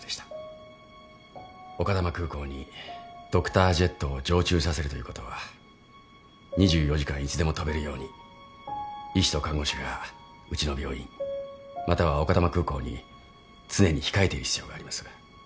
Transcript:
丘珠空港にドクタージェットを常駐させるということは２４時間いつでも飛べるように医師と看護師がうちの病院または丘珠空港に常に控えている必要があります。